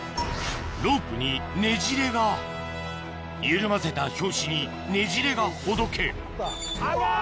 ロープにねじれが緩ませた拍子にねじれがほどけ危ない！